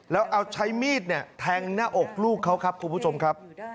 แล้วเอาใช้มีดเนี่ยแทงหน้าอกลูกเขาครับคุณผู้ชมครับ